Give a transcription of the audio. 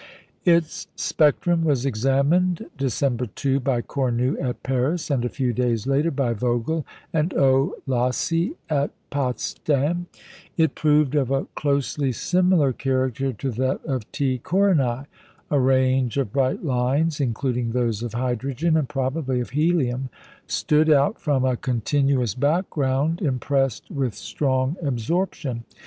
Its spectrum was examined, December 2, by Cornu at Paris, and a few days later by Vogel and O. Lohse at Potsdam. It proved of a closely similar character to that of T Coronæ. A range of bright lines, including those of hydrogen, and probably of helium, stood out from a continuous background impressed with strong absorption.